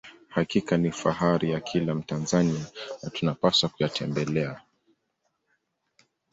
hakika ni fahari ya kila mtanzania na tunapaswa kuyatembelea